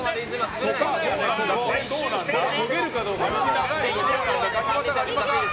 さあ、最終ステージ。